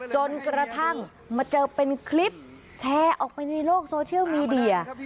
จนกระทั่งมาเจอเป็นคลิปแชร์ออกไปในโลกโซเชียลมีเดีย